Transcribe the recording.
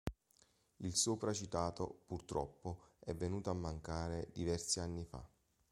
Il sopra citato purtroppo è venuto a mancare diversi anni fa.